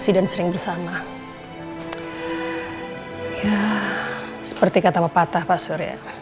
udah lagi bersona